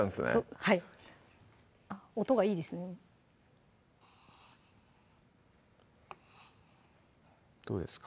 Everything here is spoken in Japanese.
はいあっ音がいいですねどうですか？